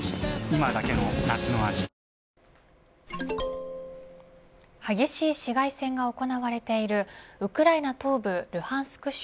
今だけの夏の味激しい市街戦が行われているウクライナ東部ルハンスク